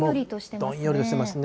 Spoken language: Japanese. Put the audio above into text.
どんよりとしてますね。